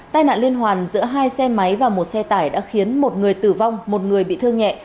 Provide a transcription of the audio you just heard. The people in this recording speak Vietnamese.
tai nạn liên hoàn giữa hai xe máy và một xe tải đã khiến một người tử vong một người bị thương nhẹ